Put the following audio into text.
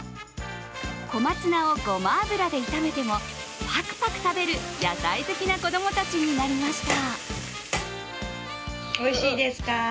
小松菜をごま油で炒めてもパクパク食べる野菜好きな子供たちになりました。